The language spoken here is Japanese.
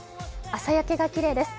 朝焼けがきれいです。